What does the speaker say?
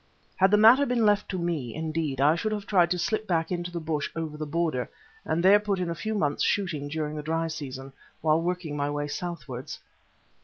Had the matter been left to me, indeed, I should have tried to slip back into the bush over the border, and there put in a few months shooting during the dry season, while working my way southwards.